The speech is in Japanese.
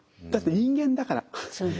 だって人間だから。